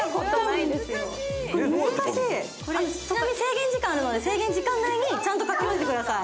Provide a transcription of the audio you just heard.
ちなみに制限時間があるので、制限時間内にちゃんと描き終わってください。